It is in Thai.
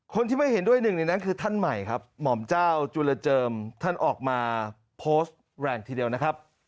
คนที่ไม่เห็นด้วยหนึ่งในนั้นคือท่านใหม่ครับหม่อมเจ้าจุลเจิมท่านออกมาโพสต์แรงทีเดียวนะครับ